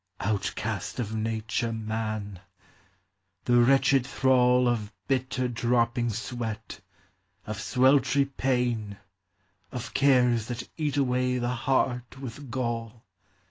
« Outcast of nature, man ! the wretched thrall Of bitter dropping sweat, of sweltry pain* Of cares that eat away the heart with gall